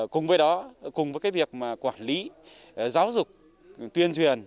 cùng với đó cùng với việc quản lý giáo dục tuyên truyền